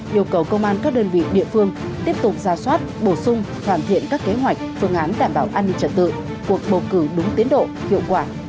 yêu cầu công an các đơn vị địa phương tiếp tục ra soát bổ sung hoàn thiện các kế hoạch phương án đảm bảo an ninh trật tự cuộc bầu cử đúng tiến độ hiệu quả